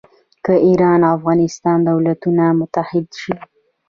که ایران او افغانستان دولتونه متحد شي.